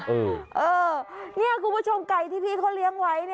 เออนี่คุณผู้ชมไก่ที่พี่เขาเลี้ยงไว้